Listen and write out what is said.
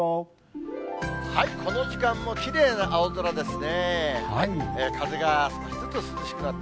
この時間もきれいな青空ですね。